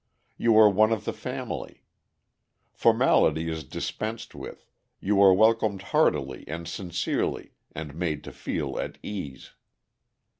You are one of the family. Formality is dispensed with; you are welcomed heartily and sincerely, and made to feel at ease.